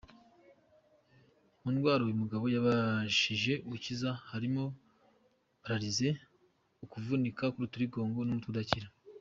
Mu ndwara uyu mugabo yabashije gukiza harimo paralyse, kuvunika k’ urutirigongo n’umutwe udakira.